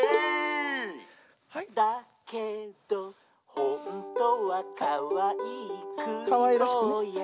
「だけどほんとはかわいいくりぼうや」